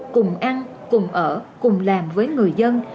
cùng ăn cùng ở cùng làm với người dân